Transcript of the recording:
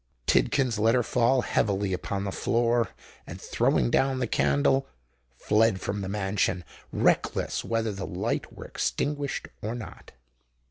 Tidkins let her fall heavily upon the floor, and throwing down the candle, fled from the mansion, reckless whether the light were extinguished or not.